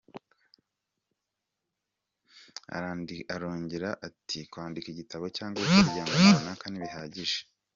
Arongera ati “Kwandika igitabo cyangwa gukora igihangano runaka ntibihagije.